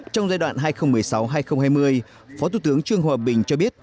trong giai đoạn hai nghìn một mươi sáu hai nghìn hai mươi phó thủ tướng trương hòa bình cho biết